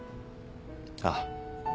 ああ。